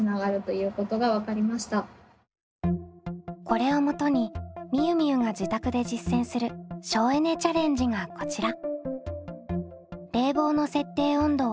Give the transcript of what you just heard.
これをもとにみゆみゆが自宅で実践する省エネ・チャレンジがこちら。